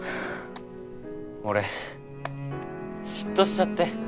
俺嫉妬しちゃって。